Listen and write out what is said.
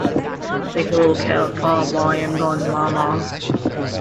Take a little care of Pa while I am gone, Mama!